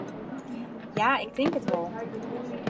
Ja, ik tink it wol.